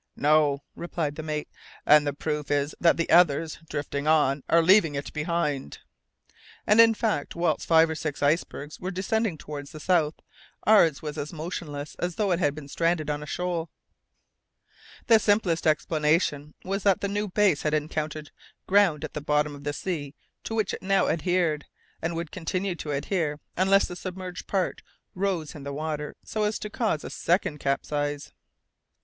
"No," replied the mate, "and the proof is that the others, drifting on, are leaving it behind!" And, in fact, whilst five or six icebergs were descending towards the south, ours was as motionless as though it had been stranded on a shoal. The simplest explanation was that the new base had encountered ground at the bottom of the sea to which it now adhered, and would continue to adhere, unless the submerged part rose in the water so as to cause a second capsize.